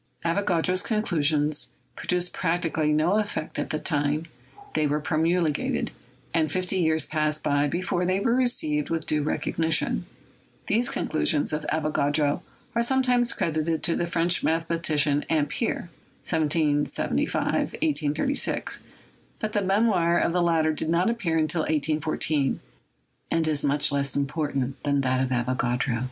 Avogadro's conclusions produced practically no effect at the time they were promulgated, and fifty years passed by before they were received with due recognition. These conclusions of Avogadro are sometimes credited to the French mathematician Ampere (1775 1836), but the mem oir of the latter did not appear until 1814, and is much less important than that of Avogadro.